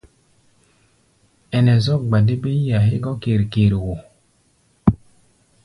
Ɛnɛ zɔ́k gba dé bé yí-a hégɔ́ ker-ker wo.